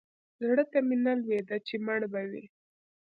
زړه ته مې نه لوېده چې مړ به وي.